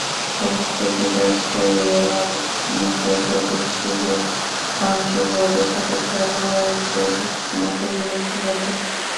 ফলশ্রুতিতে অস্ট্রেলিয়ার আন্তর্জাতিক ক্রিকেট কন্ট্রোল বোর্ডের সাথে খেলোয়াড়দের মতবিরোধ ঘটে।